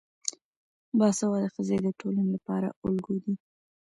باسواده ښځې د ټولنې لپاره الګو دي.